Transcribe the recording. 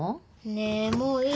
ねえもういい？